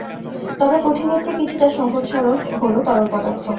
তবে কঠিনের চেয়ে কিছুটা সহজ সরল হলো তরল পদার্থ।